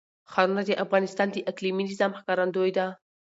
ښارونه د افغانستان د اقلیمي نظام ښکارندوی ده.